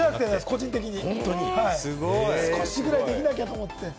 個人的に少しくらいできなきゃと思って。